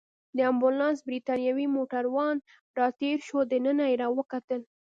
د امبولانس بریتانوی موټروان راتېر شو، دننه يې راوکتل.